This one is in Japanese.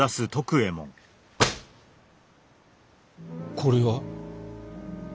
これは？